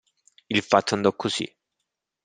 Il fatto andò così.